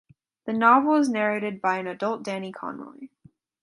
The novel is narrated by an adult Danny Conroy.